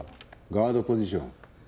ガードポジション。